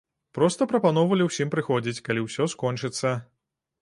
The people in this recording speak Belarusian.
Проста прапаноўвалі ўсім прыходзіць, калі ўсё скончыцца.